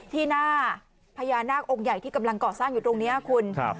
ที่หน้าพญานาคองค์ใหญ่ที่กำลังก่อสร้างอยู่ตรงนี้คุณ